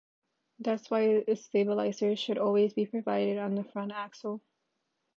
That is why a stabilizer should always be provided on the front axle.